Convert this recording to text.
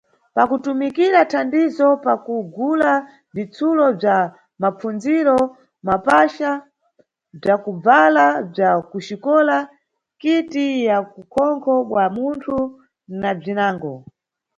Pakutumikira thandizo pakugula bzitsulo bza mapfundziro, mapaxta, bzakubvala bza kuxikola, kiti ya ukhonkho bwa munthu, na bzinango.